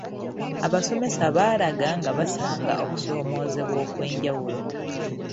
Abasomesa baalaga nga basanga okusoomooza okw’enjawulo.